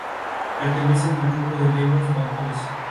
Pertenecen al grupo de lenguas bantúes.